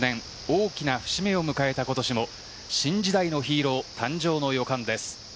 大きな節目を迎えた今年も新時代のヒーロー誕生の予感です。